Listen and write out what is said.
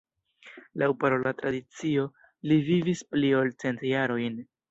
Laŭ parola tradicio, li vivis pli ol cent jarojn.